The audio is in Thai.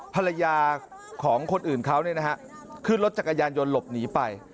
ภรรยาของคนอื่นเขาขึ้นรถจักรยานยนต์หลบหนีไป